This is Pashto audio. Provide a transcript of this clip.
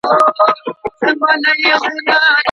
انسان د خدای تر ټولو غوره مخلوق دی.